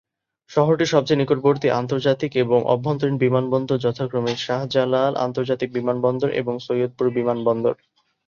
শহরটির সবচেয়ে নিকটবর্তী আন্তর্জাতিক এবং আভ্যন্তরীণ বিমানবন্দর যথাক্রমে শাহজালাল আন্তর্জাতিক বিমানবন্দর এবং সৈয়দপুর বিমানবন্দর।